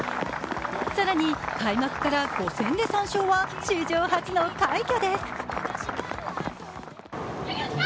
更に、開幕から５戦で３勝は史上初の快挙です。